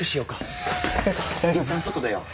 いったん外出よう。